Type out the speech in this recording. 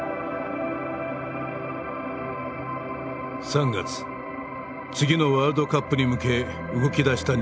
３月次のワールドカップに向け動きだした日本代表